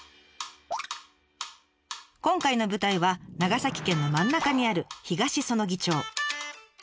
今回の舞台は長崎県の真ん中にある東彼杵町。